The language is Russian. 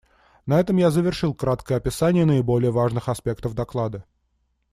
На этом я завершил краткое описание наиболее важных аспектов доклада.